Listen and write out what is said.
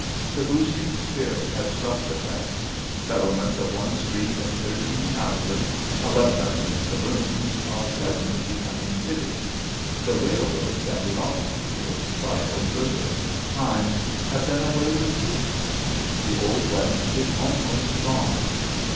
The boosting spirit has struck the West. Settlements of one street and thirteen houses, eleven of them saloons, are suddenly becoming cities. The railroads and the automobiles, by obliterating time, have done away with distance. The old West is almost gone.